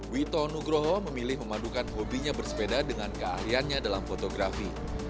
wito nugroho memilih memadukan hobinya bersepeda dengan keahliannya dalam fotografi